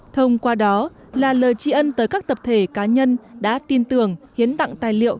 thông qua đó là lời tri ân tới các tập thể cá nhân đã tin tưởng hiến tặng tài liệu